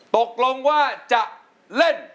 ตกลงว่าจะเล่น